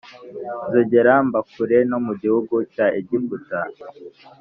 nzongera mbakure no mu gihugu cya egiputa